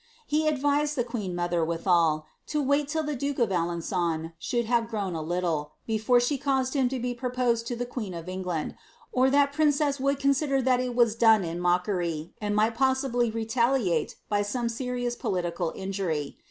He advised the queeormother, withal, to wait till the duke of Alen^on should have grown a little, before she caused him to be proposed to the queen of England, or that princess would consider that it was done in mockery, ind might possibly retaliate by some serious political injury.